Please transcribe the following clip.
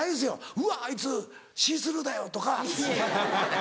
「うわあいつシースルーだよ」とか。